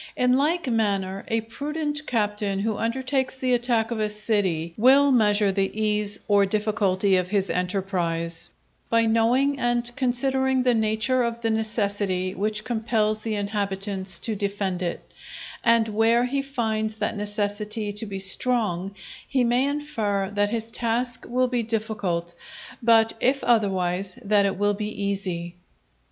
In like manner a prudent captain who undertakes the attack of a city, will measure the ease or difficulty of his enterprise, by knowing and considering the nature of the necessity which compels the inhabitants to defend it; and where he finds that necessity to be strong, he may infer that his task will be difficult, but if otherwise, that it will be easy.